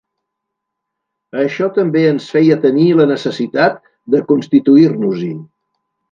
Això també ens feia tenir la necessitat de constituir-nos-hi.